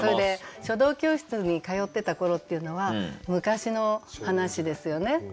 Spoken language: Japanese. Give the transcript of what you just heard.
書道教室に通ってた頃っていうのは昔の話ですよね。